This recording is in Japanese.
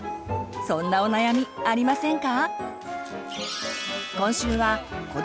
そんなお悩みありませんか？